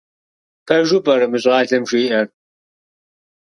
Пэжу пӀэрэ мы щӏалэм жиӀэр?